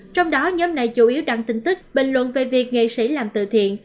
trong đó nhóm này chủ yếu đăng tin tức bình luận về việc nghệ sĩ làm tự thiện